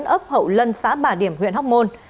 ấp hậu lân xã bà điểm huyện hóc môn